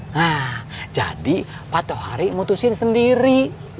nah jadi pak tohari mutusin sendiri